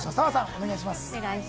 お願いします。